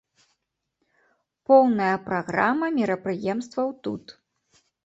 Поўная праграма мерапрыемстваў тут.